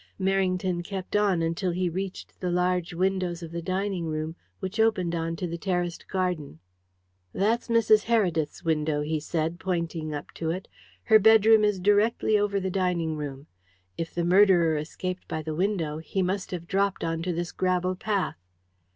Merrington kept on until he reached the large windows of the dining room, which opened on to the terraced garden. "That's Mrs. Heredith's window," he said, pointing up to it. "Her bedroom is directly over the dining room. If the murderer escaped by the window he must have dropped on to this gravel path."